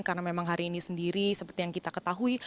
karena memang hari ini sendiri seperti yang kita ketahui